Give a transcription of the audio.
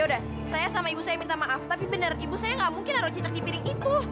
udah saya sama ibu saya minta maaf tapi benar ibu saya nggak mungkin naruh cicak di piring itu